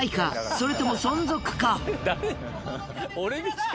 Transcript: それとも存続か？